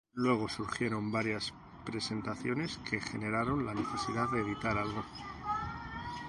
Luego surgieron varias presentaciones que generaron la necesidad de editar algo.